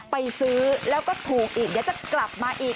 ไปซื้อแล้วก็ถูกอีกเดี๋ยวจะกลับมาอีก